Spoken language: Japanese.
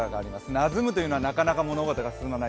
「なずむ」というのはなかなか物事が進まない